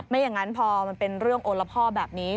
อย่างนั้นพอมันเป็นเรื่องโอละพ่อแบบนี้